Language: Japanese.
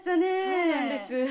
そうなんです。